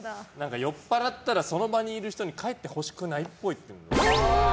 酔っ払ったらその場にいる人に帰ってほしくないっぽい。